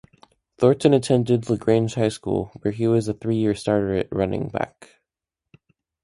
Thornton attended LaGrange High School where he was a three-year starter at running back.